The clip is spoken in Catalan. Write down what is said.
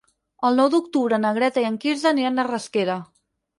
El nou d'octubre na Greta i en Quirze aniran a Rasquera.